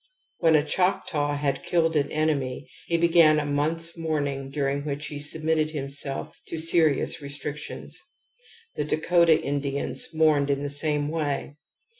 When a Choctaw had killed an enemy he began a month's mourning during which he submitted himself to serious restrictions. The Dakota Indians momned in the same way.